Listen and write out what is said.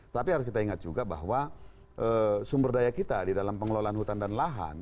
tapi harus kita ingat juga bahwa sumber daya kita di dalam pengelolaan hutan dan lahan